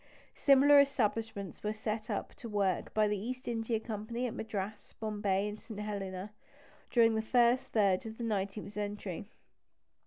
Similar establishments were set to work by the East India Company at Madras, Bombay, and St. Helena, during the first third of the nineteenth century.